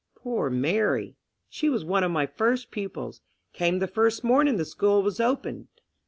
Poor Mary! she was one of my first pupils—came the first morning the school was opened.